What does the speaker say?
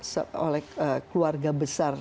seolah keluarga besar